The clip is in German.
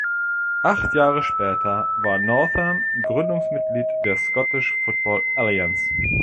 Acht Jahre später war Northern Gründungsmitglied der Scottish Football Alliance.